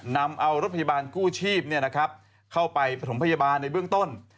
นำเอารถพยาบาลกู้ชีพเนี่ยนะครับเข้าไปผสมพยาบาลในเบื้องต้น